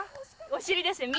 お尻ですね。